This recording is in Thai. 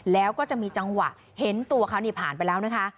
แล้วก็จะมีจังหวะเห็นตัวเขานี่ผ่านไปแล้วนะคะ